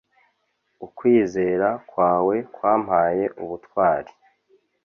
ukwizera kwawe kwampaye ubutwari